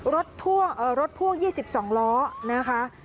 รถพ่วง๒๒ล้อนะคะ